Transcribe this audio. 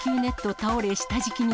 倒れ、下敷きに。